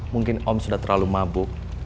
mungkin om sudah terlalu mabuk